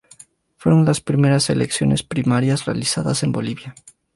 Fueron las primeras elecciones primarias realizadas en Bolivia.